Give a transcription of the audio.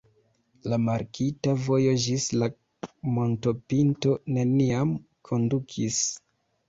La markita vojo ĝis la montopinto neniam kondukis.